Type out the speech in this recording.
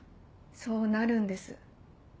そうなるんです。